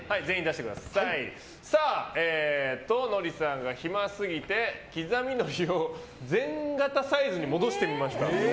のりさんが、暇すぎて刻みのりを全形サイズに戻してみました。